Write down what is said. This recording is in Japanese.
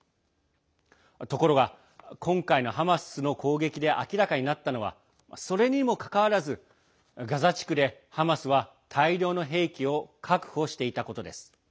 ところが、今回のハマスの攻撃で明らかになったのはそれにもかかわらずガザ地区でハマスは大量の兵器を確保していたことです。